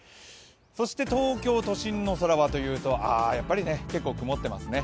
そして東京都心の空はというとやっぱり、結構曇っていますね。